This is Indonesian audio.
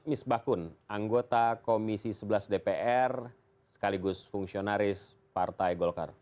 misbahkun anggota komisi sebelas dpr sekaligus fungsionaris partai golkar